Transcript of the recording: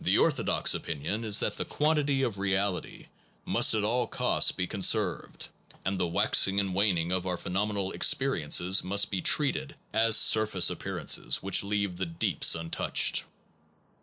45 SOME PROBLEMS OF PHILOSOPHY quantity of reality must at all costs be con served, and the waxing and waning of our phenomenal experiences must be treated as surface appearances which leave the deeps un touched.